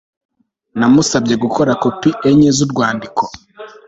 Namusabye gukora kopi enye zurwandiko